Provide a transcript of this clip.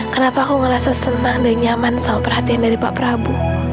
kenapa aku ngerasa senang dan nyaman sama perhatian dari pak prabowo